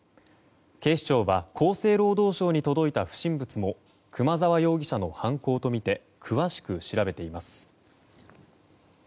警視庁は厚生労働省に届いた不審物も熊澤容疑者の犯行とみて詳しく調べています。